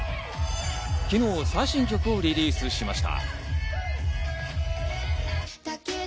昨日、最新曲をリリースしました。